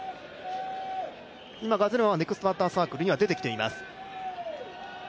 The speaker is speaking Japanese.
今、ガゼルマンネクストバッターズサークルには出てきています。